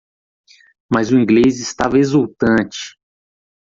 Mas o inglês estava exultante.